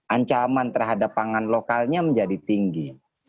ancaman terhadap pangan lokalnya menjadi tinggi